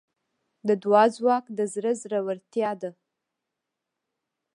د دعا ځواک د زړه زړورتیا ده.